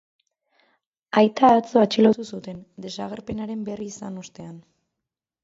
Aita atzo atxilotu zuten, desagerpenaren berri izan ostean.